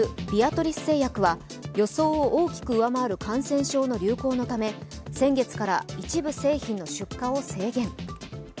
トリス製薬は予想を大きく上回る感染症の流行のため、先月から一部製品の出荷を制限。